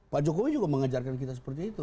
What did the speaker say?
pak jokowi juga mengajarkan kita seperti itu